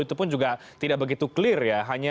itu pun juga tidak begitu clear ya